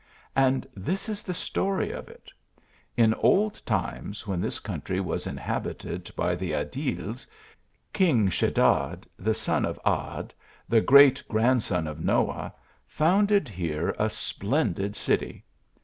And this is the story of it : In old times, when this country was inhabited by the Addiles, king Sheddad, the son of Ad, the great grandson of Noah, founded here a splendid city.